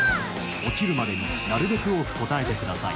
落ちるまでになるべく多く答えてください